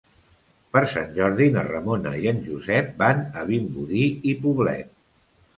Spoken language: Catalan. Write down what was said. Per Sant Jordi na Ramona i en Josep van a Vimbodí i Poblet.